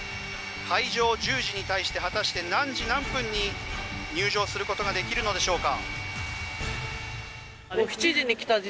開場１０時に対して果たして何時何分に入場することができるのでしょうか。